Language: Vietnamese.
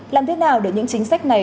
làm thế nào để những chính sách này